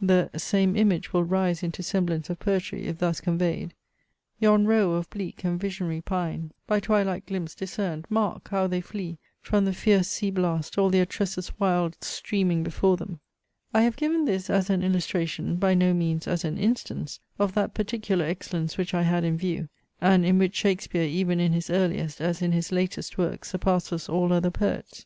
The same image will rise into semblance of poetry if thus conveyed: Yon row of bleak and visionary pines, By twilight glimpse discerned, mark! how they flee From the fierce sea blast, all their tresses wild Streaming before them. I have given this as an illustration, by no means as an instance, of that particular excellence which I had in view, and in which Shakespeare even in his earliest, as in his latest, works surpasses all other poets.